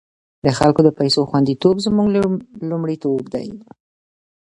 د خلکو د پيسو خوندیتوب زموږ لومړیتوب دی۔